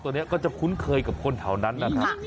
ตัวนี้ด้วยก็จะมีภิกษ์กับคนเผ่านั้นนะครับ